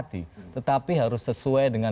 kita tahan dulu ya